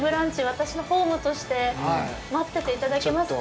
私のホームとして待ってていただけますか？